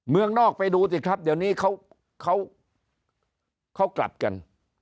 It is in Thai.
เมืองนอกไปดูสิครับเดี๋ยวนี้เขากลับกัน